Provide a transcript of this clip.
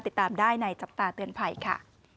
ติดตามได้ในจับตาเตือนภัยค่ะ